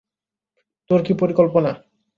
তোর কী পরিকল্পনা?